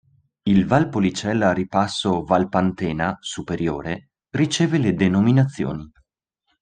Il Valpolicella Ripasso Valpantena superiore riceve le denominazioni